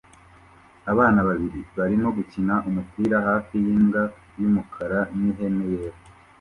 Abana babiri barimo gukina umupira hafi yimbwa yumukara nihene yera